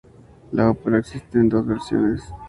La ópera existe en dos versiones.